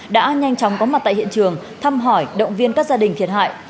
đã nhanh chóng có mặt tại hiện trường thăm hỏi động viên các gia đình thiệt hại